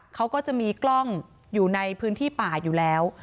เขาก็จะมีกล้องอยู่ในพื้นที่ป่าอยู่แล้ว